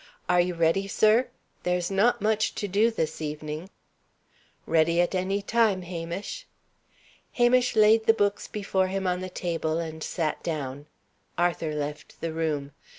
"Are you ready, sir? There's not much to do, this evening." "Ready at any time, Hamish." Hamish laid the books before him on the table, and sat down. Arthur left the room.